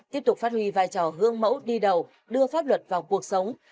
tiếp tục phát huy vai trò gương mẫu đi đầu đưa pháp luật vào cuộc sống